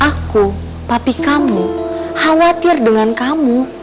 aku tapi kamu khawatir dengan kamu